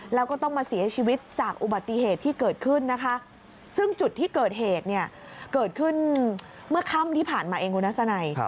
แล้วก็ต้องมาเสียชีวิตจากอุบัติเหตุที่เกิดขึ้นนะคะซึ่งจุดที่เกิดเหตุเนี่ยเกิดขึ้นเมื่อค่ำที่ผ่านมาเองคุณทัศนัย